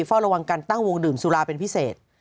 เฝ้าระวังการตั้งวงดื่มสุราเป็นพิเศษ